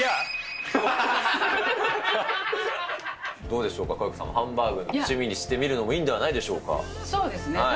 どうでしょうか、佳代子様、ハンバーグを趣味にしてみるのもいいんではないんでしょうか。